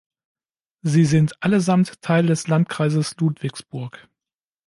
Sie sind allesamt Teil des Landkreises Ludwigsburg.